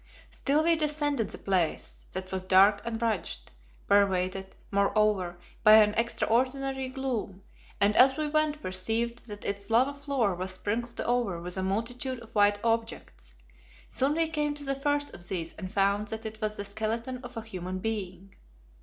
Still we descended the place, that was dark and rugged; pervaded, moreover, by an extraordinary gloom, and as we went perceived that its lava floor was sprinkled over with a multitude of white objects. Soon we came to the first of these and found that it was the skeleton of a human being.